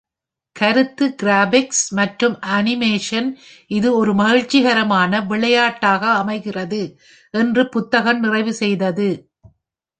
"கருத்து, கிராபிக்ஸ் மற்றும் அனிமேஷன் இது ஒரு மகிழ்ச்சிகரமான விளையாட்டாக அமைகிறது" என்று புத்தகம் நிறைவு செய்தது.